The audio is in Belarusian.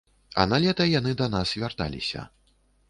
А на лета яны да нас вярталіся.